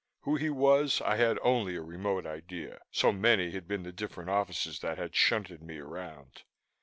Who he was, I had only a remote idea, so many had been the different offices that had shunted me around.